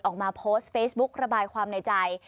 ออกมาโพสต์เฟซบุ๊กระบายความในใจ